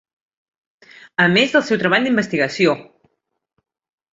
A més del seu treball d'investigació!